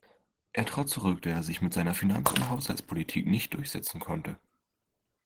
Er trat zurück, da er sich mit seiner Finanz- und Haushaltspolitik nicht durchsetzen konnte.